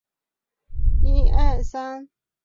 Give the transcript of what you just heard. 其后肯亚向索马利亚派兵。